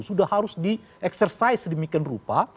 sudah harus di exercise sedemikian rupa